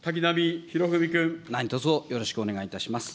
何卒よろしくお願いいたします。